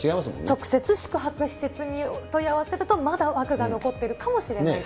直接、宿泊施設に問い合わせると、まだ枠が残ってるかもしれないと。